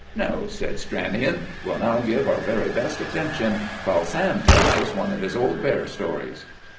"No," said Stranion; "we'll now give our very best attention while Sam tells us one of his old bear stories."